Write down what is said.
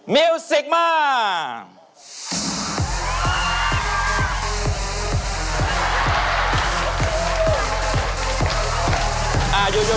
มิวสิกมาก